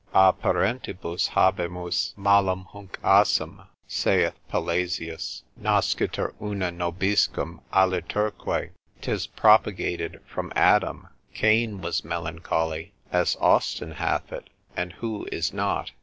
A parentibus habemus malum hunc assem, saith Pelezius, Nascitur una nobiscum, aliturque, 'tis propagated from Adam, Cain was melancholy, as Austin hath it, and who is not?